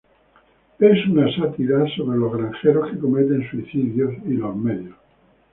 Es una sátira sobre los granjeros que cometen suicidio y los medios.